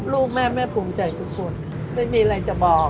ลูกแม่แม่ภูมิใจทุกคนไม่มีอะไรจะบอก